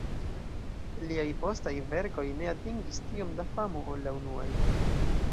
Liaj postaj verkoj ne atingis tiom da famo ol la unuaj.